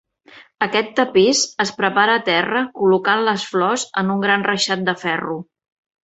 Aquest tapís es prepara a terra col·locant les flors en un gran reixat de ferro.